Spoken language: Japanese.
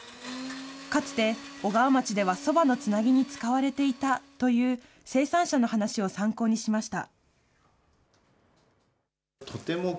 かつて小川町ではそばのつなぎに使われていたという生産者の話を参考にしました。